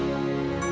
dini oruh bantuan